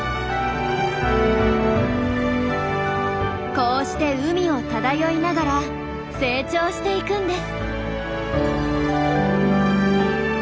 こうして海を漂いながら成長していくんです。